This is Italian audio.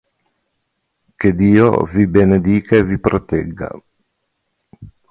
Che Dio vi benedica e vi protegga.